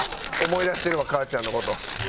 思い出してるわ母ちゃんの事。